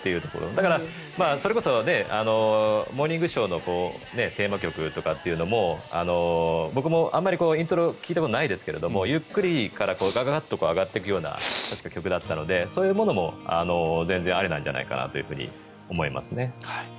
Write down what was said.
だから、それこそ「モーニングショー」のテーマ曲とかも僕もあまりイントロ聴いたことがないですけれどゆっくりからガガガッと上がっていく曲だったのでそういうものも全然ありなんじゃないかなと思いますね。